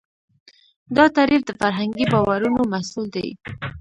دا تعریف د فرهنګي باورونو محصول دی.